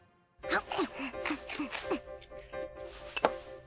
あっ。